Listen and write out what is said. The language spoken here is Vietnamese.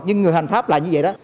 nhưng người hành pháp là như vậy đó